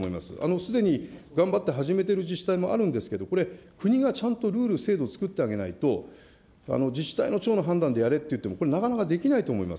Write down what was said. すでに頑張って始めている自治体もあるんですけれど、これ、国がちゃんとルール、制度を作ってあげないと、自治体の長の判断でやれっていっても、これ、なかなかできないと思います。